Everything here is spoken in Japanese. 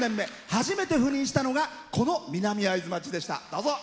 初めて赴任したのがこの南会津町でした。